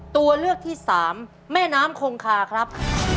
ตัวเลือกที่สามแม่น้ำคงคาครับ